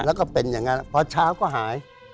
แล้วก็เป็นอย่างนั้นพอเช้าก็หาย